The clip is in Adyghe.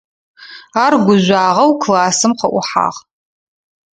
Ар гужъуагъэу классым къыӀухьагъ.